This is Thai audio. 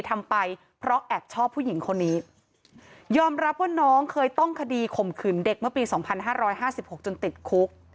ยอมรับว่าน้องเคยต้องคดีข่มขื่นเด็กเมื่อปี๒๕๕๖จนติดคุก